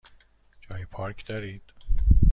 جای پارک دارید؟